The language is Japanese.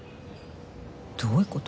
どういう事？